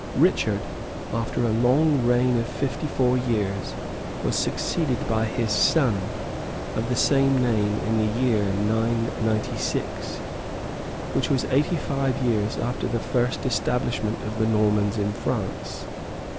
Richard, after a long reign of fifty four years, was succeeded by his son, of the same name, in the year 996,[] which was eighty five years after the first establishment of the Normans in France.